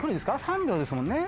３秒ですもんね。